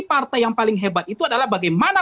partai yang paling hebat itu adalah bagaimana